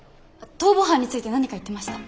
逃亡犯について何か言ってました？